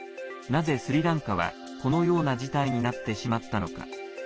なぜ、スリランカはこのような事態になってしまったのか。